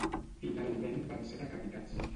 Finalment van ser decapitats.